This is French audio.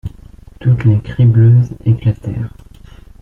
Toutes les cribleuses éclatèrent.